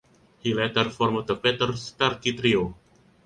He later formed the Peter Starkie Trio.